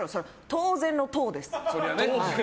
当然の当です。